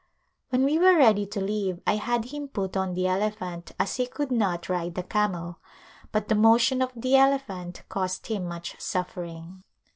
When we were ready to leave I had him put on the elephant as he could not ride the camel, but the motion of the elephant caused him much suffering.